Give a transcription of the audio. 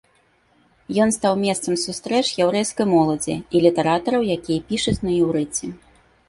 Ён стаў месцам сустрэч яўрэйскай моладзі і літаратараў, якія пішуць на іўрыце.